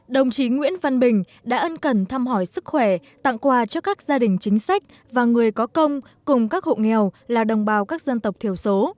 đồng chí nguyễn văn bình đã ân cần thăm hỏi sức khỏe tặng quà cho các gia đình chính sách và người có công cùng các hộ nghèo là đồng bào các dân tộc thiểu số